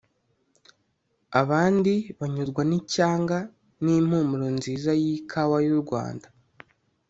abandi banyurwa n’icyanga n’impumuro nziza y’ikawa y’u Rwanda